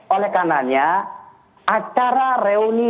oleh karenanya acara reuni dua ratus dua belas